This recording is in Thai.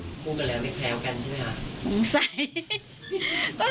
พูดกันแล้วไม่แคล้วกันใช่ไหมคะ